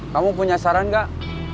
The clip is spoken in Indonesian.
kamu punya saran gak